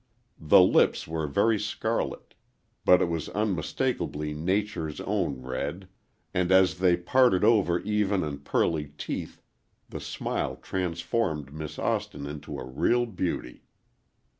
The lips were very scarlet, but it was unmistakably Nature's own red, and as they parted over even and pearly teeth, the smile transformed Miss Austin into a real beauty.